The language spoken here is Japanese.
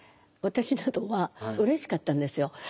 私などはうれしかったんですよ。